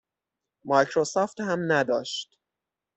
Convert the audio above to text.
مایکروسافت هم نداشت.